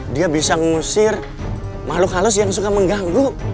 dia bisa ngusir makhluk halus yang suka mengganggu